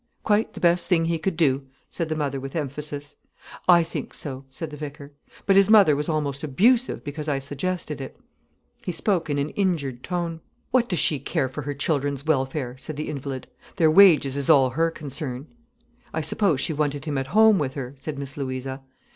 "Quite the best thing he could do," said the mother with emphasis. "I think so," said the vicar. "But his mother was almost abusive because I suggested it." He spoke in an injured tone. "What does she care for her children's welfare?" said the invalid. "Their wages is all her concern." "I suppose she wanted him at home with her," said Miss Louisa.